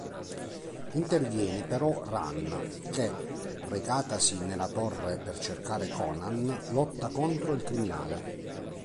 Interviene però Ran che, recatasi nella torre per cercare Conan, lotta contro il criminale.